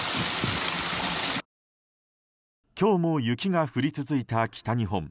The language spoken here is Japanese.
今日も雪が降り続いた北日本。